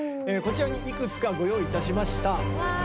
こちらにいくつかご用意いたしました。